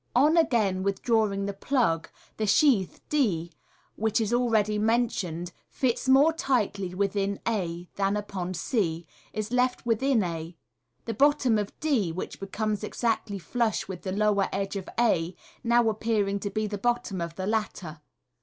On again with drawing the plug, the sheath d, which, as already mentioned, fits more tightly within a than upon c, is left within a; the bottom of rf, which comes exactly flush with the lower edge of a, now appearing to be the bottom of the latter.